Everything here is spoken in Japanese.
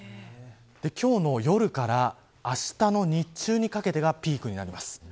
今日の夜からあしたの日中にかけてがピークになります。